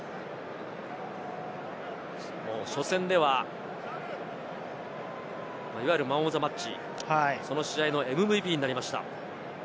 初戦ではいわゆるマン・オブ・ザ・マッチ、その試合のＭＶＰになりました。